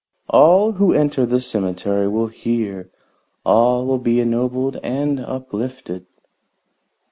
All who enter the cemetery will hear; all will be ennobled and uplifted."